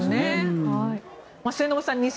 末延さん